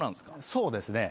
そうですね。